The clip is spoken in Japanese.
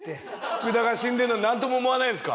福田が死んでるのになんとも思わないんですか？